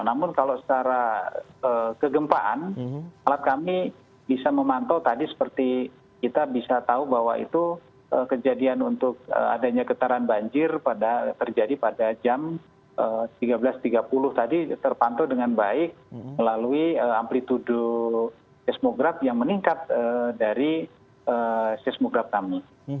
namun kalau secara kegempaan alat kami bisa memantau tadi seperti kita bisa tahu bahwa itu kejadian untuk adanya getaran banjir terjadi pada jam tiga belas tiga puluh tadi terpantau dengan baik melalui amplitude seismograf yang meningkat dari seismograf kami